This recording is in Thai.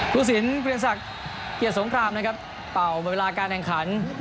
ผู้สินเปลี่ยนศักดิ์เกียรติสงครามนะครับเป่าเวลาการแข่งขัน